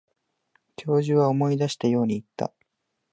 教授は思い出したように言った。